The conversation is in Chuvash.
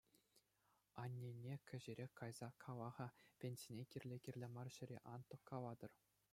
Аннене кӗҫӗрех кайса кала-ха: пенсине кирлӗ-кирлӗ мар ҫӗре ан тӑккалатӑр.